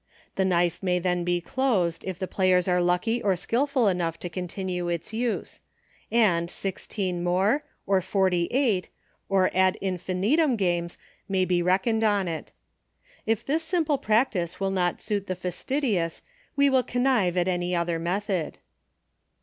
The knife may then be closed, if the players are lucky or skillful enough to con tinue its use; and sixteen more, or forty eight, or ad infinitum games may be reckoned on it. If this simple practice will not suit the fastidious, we will con nive at any other method.